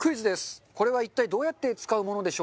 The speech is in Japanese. これは一体どうやって使うものでしょうか？